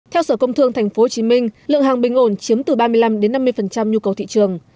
theo sở công thương tp hcm lượng hàng bình ổn chiếm từ ba mươi năm năm mươi nhu cầu thị trường